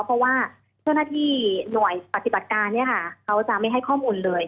เพราะว่าเจ้าหน้าที่หน่วยปฏิบัติการเนี่ยค่ะเขาจะไม่ให้ข้อมูลเลย